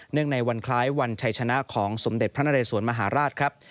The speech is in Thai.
ในวันคล้ายวันชัยชนะของสมเด็จพระนเรสวนมหาราชครับ